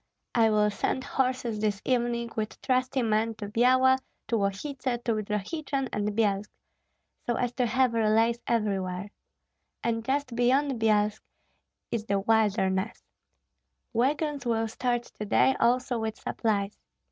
I will send horses this evening with trusty men to Byala, to Lostsi, to Drohichyn and Byelsk, so as to have relays everywhere. And just beyond Byelsk is the wilderness. Wagons will start to day also with supplies.